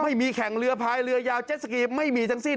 ไม่มีแข่งเรือพายเรือยาวเจ็ดสกีไม่มีทั้งสิ้น